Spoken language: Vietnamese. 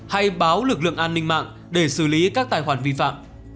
hay báo lực lượng an ninh mạng để xử lý các tài khoản vi phạm